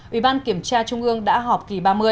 ủy ban kiểm tra trung ương đã họp kỳ ba mươi